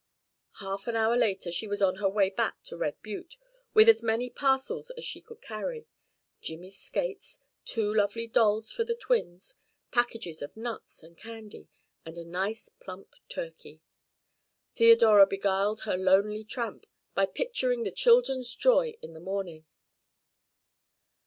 Half an hour later she was on her way back to Red Butte, with as many parcels as she could carry Jimmy's skates, two lovely dolls for the twins, packages of nuts and candy, and a nice plump turkey. Theodora beguiled her lonely tramp by picturing the children's joy in the morning.